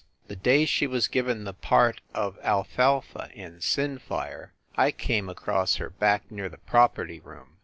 The day she was given the part of Alfalfa, in "Sinfire," I came across her back near the property room.